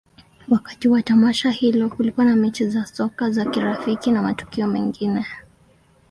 Wakati wa tamasha hilo, kulikuwa na mechi za soka za kirafiki na matukio mengine.